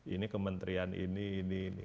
ini kementerian ini ini ini